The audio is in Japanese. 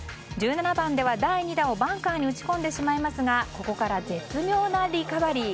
１７番では第２打をバンカーに打ち込んでしまいますがここから絶妙なリカバリー。